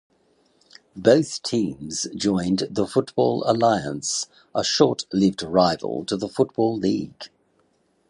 Both teams joined the Football Alliance, a short-lived rival to the Football League.